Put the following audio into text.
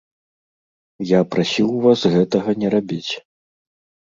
Я прасіў вас гэтага не рабіць.